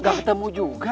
gak ketemu juga